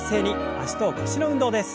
脚と腰の運動です。